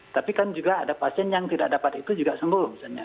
tapi kan juga ada pasien yang tidak dapat itu juga sembuh misalnya